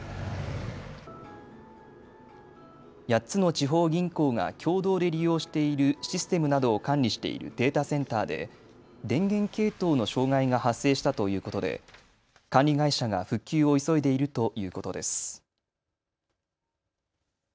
８つの地方銀行が共同で利用しているシステムなどを管理しているデータセンターで電源系統の障害が発生したということで管理会社が復旧を急いでいるということです。